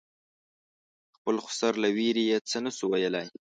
خپل خسر له وېرې یې څه نه شو ویلای.